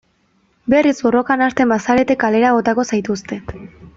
Berriz borrokan hasten bazarete kalera botako zaituztet.